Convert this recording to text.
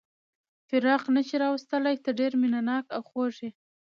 فراق نه شي راوستلای، ته ډېر مینه ناک او خوږ یې.